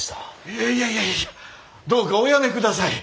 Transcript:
いやいやいやどうかおやめください。